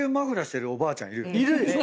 いるでしょ！